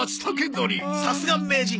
さすが名人！